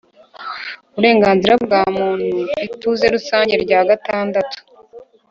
uburenganzira bwa Muntu ituze rusange rya gatandatu